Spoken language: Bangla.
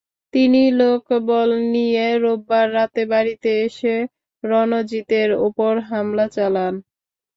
তিনি লোকবল নিয়ে রোববার রাতে বাড়িতে এসে রণজিতের ওপর হামলা চালান।